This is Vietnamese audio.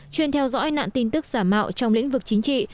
chuyên theo dõi nạn tin tức giả mạo trong lĩnh vực chính trị